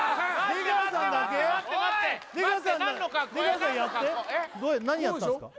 出川さんやって何やったんですか？